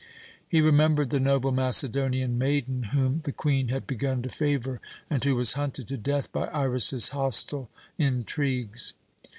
He remembered the noble Macedonian maiden whom the Queen had begun to favour, and who was hunted to death by Iras's hostile intrigues.